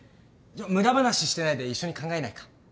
無駄話してないで一緒に考えないか？